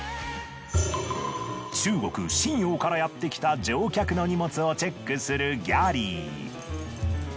中国瀋陽からやってきた乗客の荷物をチェックするギャリー。